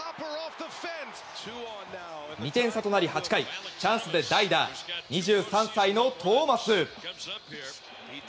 ２点差となり８回、チャンスで代打、２３歳のトーマス。